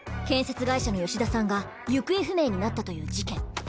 建設会社の吉田さんが行方不明になったという事件。